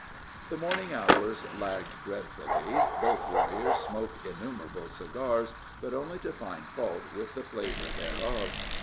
The morning hours lagged dreadfully. Both warriors smoked innumerable cigars, but only to find fault with the flavor thereof.